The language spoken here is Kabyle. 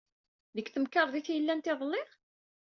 Deg temkarḍit ay llant iḍelli?